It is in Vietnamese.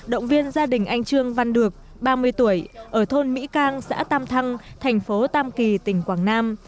động viên gia đình anh trương văn được ba mươi tuổi ở thôn mỹ cang xã tam thăng thành phố tam kỳ tỉnh quảng nam